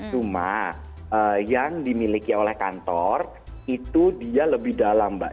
cuma yang dimiliki oleh kantor itu dia lebih dalam mbak